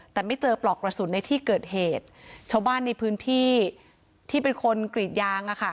แต่ไม่เจอปลอกกระสุนในที่เกิดเหตุชาวบ้านในพื้นที่ที่เป็นคนกรีดยาง